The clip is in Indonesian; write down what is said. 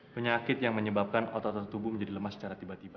penyakit yang menyebabkan otot otot tubuh menjadi lemah secara tiba tiba